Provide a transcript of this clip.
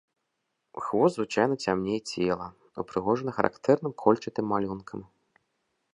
Хвост звычайна цямней цела, упрыгожаны характэрным кольчатым малюнкам.